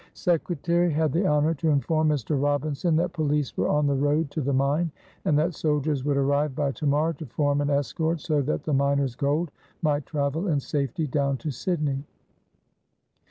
"Secretary had the honor to inform Mr. Robinson that police were on the road to the mine, and that soldiers would arrive by to morrow to form an escort, so that the miners' gold might travel in safety down to Sydney."